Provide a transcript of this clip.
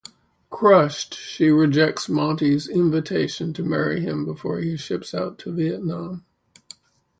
Crushed, she rejects Monty's invitation to marry him before he ships out to Vietnam.